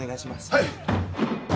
はい。